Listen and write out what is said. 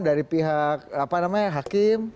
dari pihak hakim